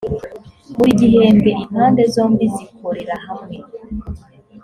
buri gihembwe impande zombi zikorera hamwe